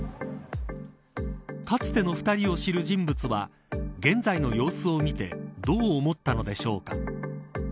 かつての２人を知る人物は現在の様子を見てどう思ったのでしょうか。